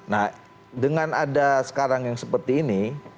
nah dengan ada sekarang yang seperti ini